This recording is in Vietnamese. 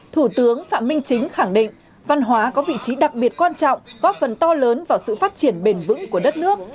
thủ tướng phạm minh chính khẳng định văn hóa có vị trí đặc biệt quan trọng góp phần to lớn vào sự phát triển bền vững của đất nước